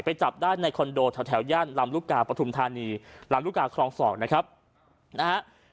ไปจับได้ในคอนโดแถวแถวแย่นลำรุกาปฐุมธานีลำรุกาครองศอกนะครับนะฮะ